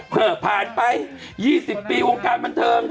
เผลอผ่านไป๒๐ปีโครงการบรรเทิง